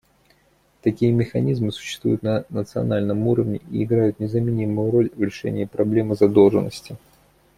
Такие механизмы существуют на национальном уровне и играют незаменимую роль в решении проблемы задолженности.